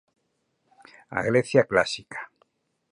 A Grecia clásica.